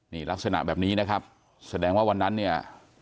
นี่ลักษณะแบบนี้นะครับแสดงว่าวันนั้นเนี่ย